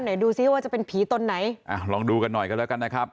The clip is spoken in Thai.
ดูซิว่าจะเป็นผีตนไหนอ่าลองดูกันหน่อยกันแล้วกันนะครับ